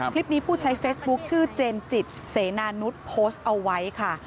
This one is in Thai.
ผู้ใช้เฟซบุ๊คชื่อเจนจิตเสนานุษย์โพสต์เอาไว้ค่ะ